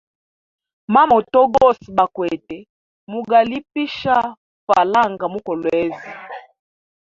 Ma moto gose bakwete mugalipisha falanga mu kolwezi.